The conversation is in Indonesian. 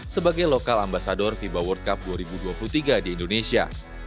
sebagai lokal ambasador fiba world cup dua ribu dua puluh tiga di indonesia